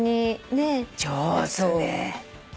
上手ね。